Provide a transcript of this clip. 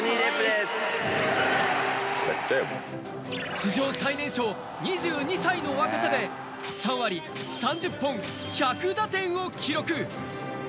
史上最年少２２歳の若さで３割３０本１００打点を記録。